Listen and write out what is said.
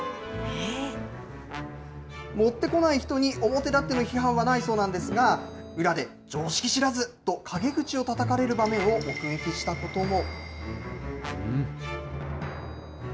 持ってこない人に表立っての批判はないそうなんですが、裏で常識知らずと陰口をたたかれる場面を目撃したことも。